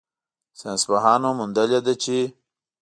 ساینسپوهانو موندلې ده چې